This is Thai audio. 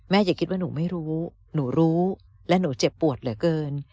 อย่าคิดว่าหนูไม่รู้หนูรู้และหนูเจ็บปวดเหลือเกิน